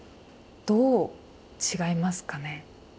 どう違いますかね？